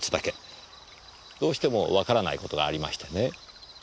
どうしてもわからないことがありましてね。